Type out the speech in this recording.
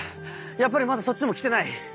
やっぱりまだそっちにも来てない？